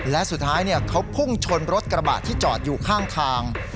และสุดท้ายเขาพุ่งชนรถกระบะที่จอดอยู่ข้างทาง